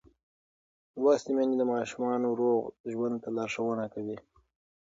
لوستې میندې د ماشومانو روغ ژوند ته لارښوونه کوي.